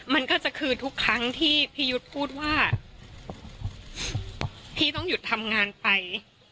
มันก็จะคือทุกครั้งที่พี่ยุทธ์พูดว่าพี่ต้องหยุดทำงานไป